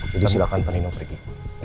jadi silakan paan nino pergi